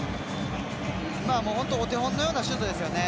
本当お手本のようなシュートですよね。